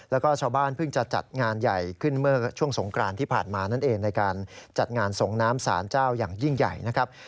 แล้วก็ชาวบ้านเพิ่งจะจัดงานใหญ่ขึ้นเมื่อช่วงสงกรานที่ผ่านมานั่นเองในการจัดงานส่งน้ำสารเจ้าอย่างยิ่งใหญ่นะครับ